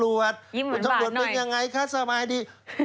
ยิ้มเหมือนบาดหน่อยคุณตำรวจเป็นยังไงคะสมัยดี